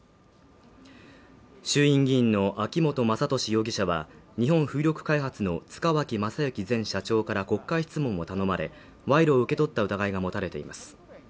衆院議員の秋本真利容疑者は日本風力開発の塚脇正幸前社長から国会質問を頼まれ賄賂を受け取った疑いが持たれています